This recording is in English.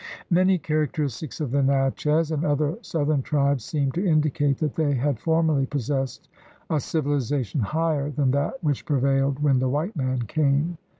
Many characteristics of the Natchez and other southern tribes seem to indicate that they had formerly possessed a civilization higher than that which prevailed when the white man came.